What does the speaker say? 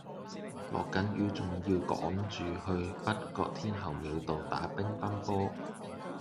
落緊雨仲要趕住去北角天后廟道打乒乓波